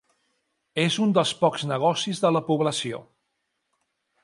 És un dels pocs negocis de la població.